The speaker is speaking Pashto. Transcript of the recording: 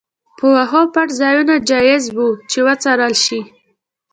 په وښو پټ ځایونه جایز وو چې وڅرول شي.